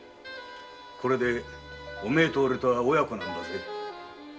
これでお前とおれは親子なんだぜ。